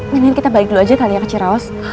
mungkin kita balik dulu aja kali ya ke cirewas